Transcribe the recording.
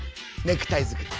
ネクタイづくり？